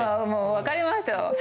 もう分かりましたよ。